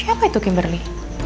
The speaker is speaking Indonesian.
siapa itu kimberly